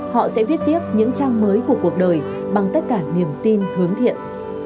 họ sẽ viết tiếp những trang mới của cuộc đời bằng tất cả niềm tin hướng thiện